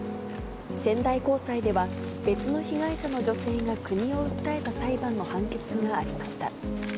仙台高裁では、別の被害者の女性が国を訴えた裁判の判決がありました。